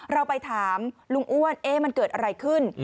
เราไปถามลุงอ้วนมันเกิดอะไรขึ้น